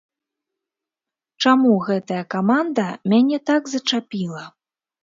Чаму гэтая каманда мяне так зачапіла?